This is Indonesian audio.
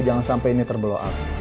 jangan sampai ini terbelok